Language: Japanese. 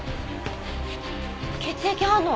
血液反応！